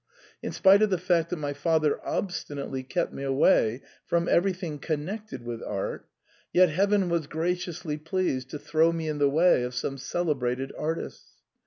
In spite of the fact that my father obstinately kept me away from everything connected with art, yet Heaven was gra ciously pleased to throw me in the way of some celebra ted artists.